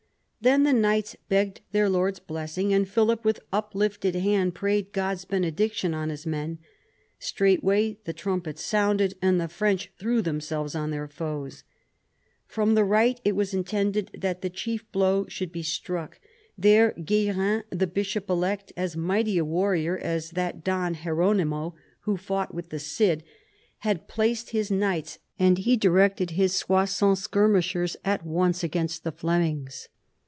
Then the knights begged their lord's blessing, and Philip with uplifted hand prayed God's benediction on his men. Straightway the trumpets sounded and the French threw themselves on their foes. From the right it was intended that the chief blow should be struck. There Guerin, the bishop elect, as mighty a warrior as that Don Hieronimo who fought with the Cid, had placed his knights, and he directed his Soissons skirmishers at once against the Flemings.